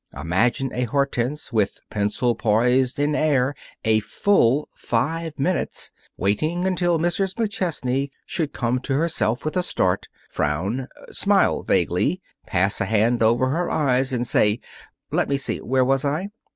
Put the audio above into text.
Imagine a Hortense with pencil poised in air a full five minutes, waiting until Mrs. McChesney should come to herself with a start, frown, smile vaguely, pass a hand over her eyes, and say, "Let me see where was I?"